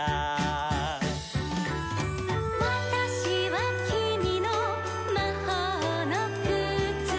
「『わたしはきみのまほうのくつ』」